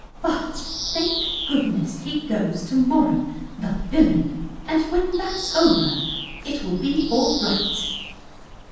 "But, thank goodness, he goes to morrow the villain! And when that's over, it will be all right."